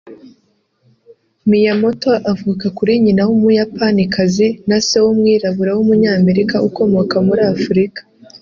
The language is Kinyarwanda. Miyamoto avuka kuri nyina w’Umuyapanikazi na se w’umwirabura w’Umunyamerika ukomoka muri Afurika